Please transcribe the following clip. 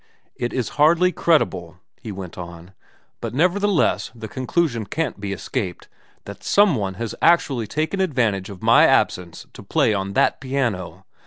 ' It is hardly credible/ he went on, ' but neverthe less the conclusion can't be escaped, that some one has actually taken advantage of my absence to play on that piano.